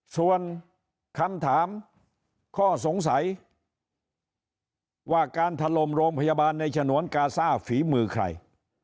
ส่วนคำถามข้อสงสัยว่าการถล่มโรงพยาบาลในฉนวนกาซ่าฝีมือใคร